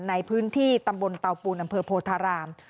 ในพื้นที่ตำบลเตาปูนอำเภอโพธาราม